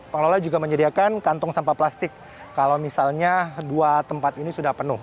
pengelola juga menyediakan kantong sampah plastik kalau misalnya dua tempat ini sudah penuh